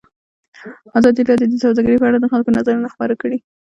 ازادي راډیو د سوداګري په اړه د خلکو نظرونه خپاره کړي.